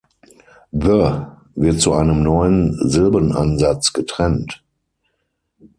„The“ wird zu einem neuen Silbenansatz getrennt.